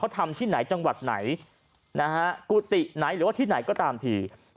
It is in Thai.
ทำที่ไหนจังหวัดไหนนะฮะกุฏิไหนหรือว่าที่ไหนก็ตามที